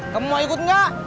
kamu mau ikut gak